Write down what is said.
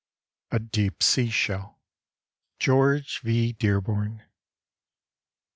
A DEEP SEA SHELL. [GEORGE V. DEARBORN.